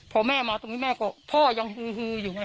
พอแม่มาตรงนี้แม่ก็พ่อยังฮืออยู่ไง